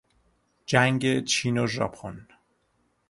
جنگ چین و ژاپن